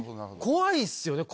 怖いっすよね